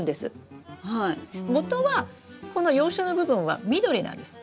もとはこの葉鞘の部分は緑なんです。